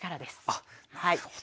あっなるほど。